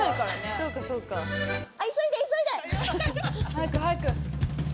早く早く！